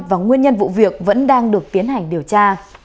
và nguyên nhân vụ việc vẫn đang được tiến hành điều tra